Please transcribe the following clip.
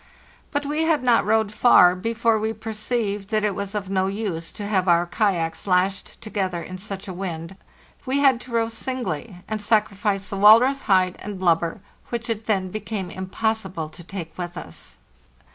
But we had not rowed far before we perceived that it was of no use to have our kayaks lashed together in such a wind; we had to row singly, and sacrifice the walrus hide and blubber, which it then became impossible to take with us.